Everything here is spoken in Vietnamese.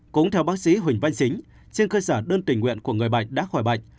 cũng theo bác sĩ huỳnh văn chính trên cơ sở đơn tình nguyện của người bệnh đã khỏi bệnh